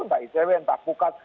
entah icw entah pukad